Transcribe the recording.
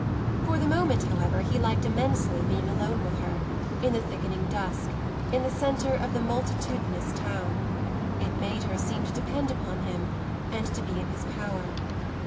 For the moment, however, he liked immensely being alone with her, in the thickening dusk, in the centre of the multitudinous town; it made her seem to depend upon him and to be in his power.